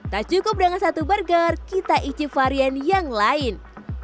tak cukup dengan satu burger kita icip varian yang lain